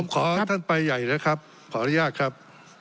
ขอท่านไปใหญ่นะครับขออนุญาตครับ